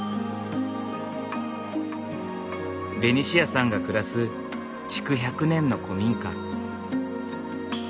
ベニシアさんが暮らす築１００年の古民家。